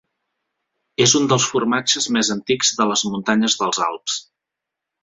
És un dels formatges més antics de les muntanyes dels Alps.